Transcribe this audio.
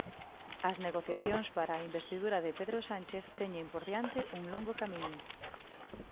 As negociacións para a investidura de Pedro Sánchez teñen por diante un longo camiño.